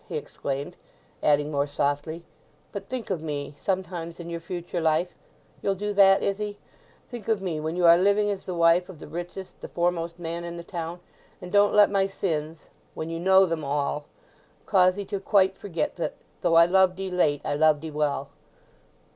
he exclaimed; adding more softly, "but think of me sometimes in your future life—you'll do that, Izzy?—think of me when you are living as the wife of the richest, the foremost man in the town, and don't let my sins, when you know them all, cause 'ee to quite forget that though I loved 'ee late I loved 'ee well."